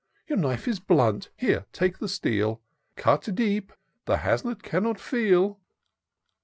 Your knife is blunt ; here, take the steel : Cut deep — the haslet cannot feel.